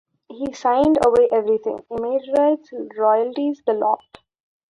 He signed away everything - image rights, royalties, the lot.